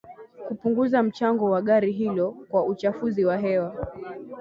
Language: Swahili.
kupunguza mchango wa gari hilo kwa uchafuzi wa hewa